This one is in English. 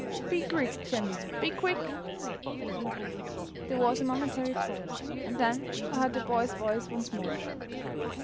"Be quick, Jemmy! Be quick!" There was a momentary pause; and then I heard the boy's voice once more.